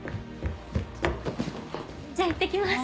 じゃあいってきます。